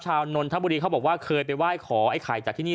นนทบุรีเขาบอกว่าเคยไปไหว้ขอไอ้ไข่จากที่นี่